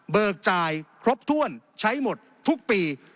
จ่ายครบถ้วนใช้หมดทุกปี